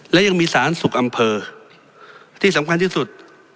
และยังมีสาธารณสุขอำเภอที่สำคัญที่สุด